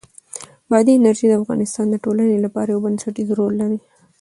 بادي انرژي د افغانستان د ټولنې لپاره یو بنسټيز رول لري.